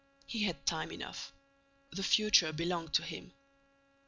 He had time enough. The future belonged to him.